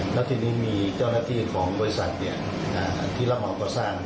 แล้วทีนี้มีเจ้าหน้าที่ของบริษัทที่รับเหมาก่อสร้าง